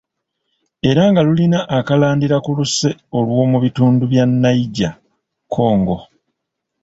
"Era nga lulina akalandira ku luse olw’omu bitundu bya ""Niger-Congo""."